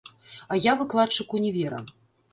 А я выкладчык універа.